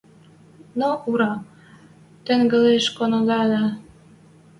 Но ура! Тӹнгӓлеш канонада!